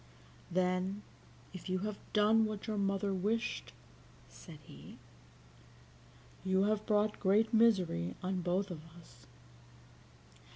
"Then, if you have done what your mother wished," said he, "you have brought great misery on both of us."